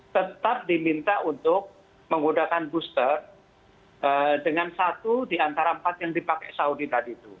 tetap diminta untuk menggunakan booster dengan satu di antara empat yang dipakai saudi tadi itu